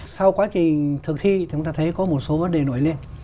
sau quá trình thực thi chúng ta thấy có một số vấn đề nổi lên